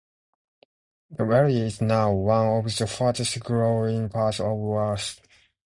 The area is now one of the fastest-growing parts of Warsaw.